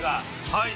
はい。